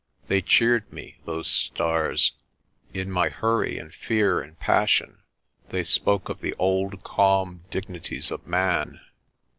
They cheered me, those stars. In my hurry and fear and passion they spoke of the old calm dignities of man.